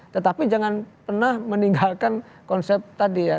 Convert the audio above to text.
tetapi jangan pernah meninggalkan konsep tadi ya